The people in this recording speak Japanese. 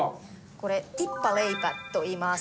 これティッパレイパといいます。